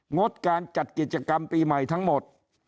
งดการจัดกิจกรรมปีใหม่ทั้งหมด